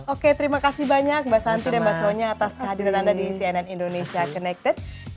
oke terima kasih banyak mbak santi dan mbak soni atas kehadiran anda di cnn indonesia connected